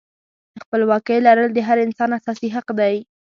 د خپلواکۍ لرل د هر انسان اساسي حق دی.